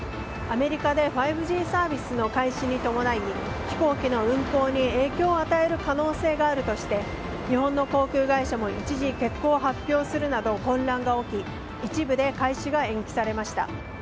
アメリカで５Ｇサービスの開始に伴い飛行機の運航に影響を与える可能性があるとして日本の航空会社も一時欠航を発表するなど混乱が起き一部で開始が延期されました。